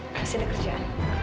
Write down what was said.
masih ada kerjaan